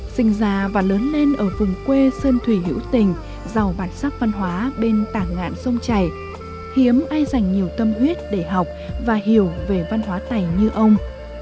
sinh già và lớn lên ở vùng quê sơn thủy hữu tình giàu bản sắc văn hóa bên tảng ngạn sông chảy hiếm ai dành nhiều tâm huyết để học và hiểu về văn hóa tày như ông